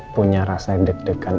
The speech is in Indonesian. punya rasa deg degan